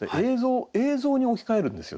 映像に置き換えるんですよ